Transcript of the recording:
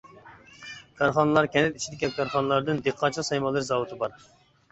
كارخانىلار كەنت ئىچىدىكى كارخانىلاردىن دېھقانچىلىق سايمانلىرى زاۋۇتى بار.